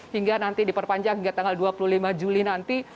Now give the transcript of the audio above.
hingga nanti diperpanjang hingga tanggal dua puluh lima juli nanti